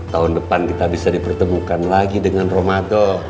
tahun depan kita bisa dipertemukan lagi dengan ramadan